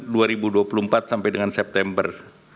dan ini juga dilakukan dua ribu dua puluh empat sampai dengan september